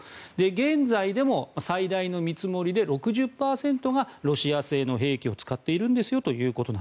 現在でも最大の見積もりで６０％がロシア製の兵器を使っているんですよと。